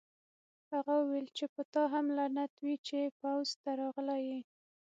هغه وویل چې په تا هم لعنت وي چې پوځ ته راغلی یې